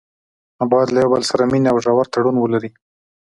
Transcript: نو باید له یو بل سره مینه او ژور تړون ولري.